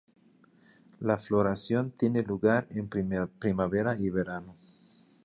La floración tiene lugar en primavera y verano.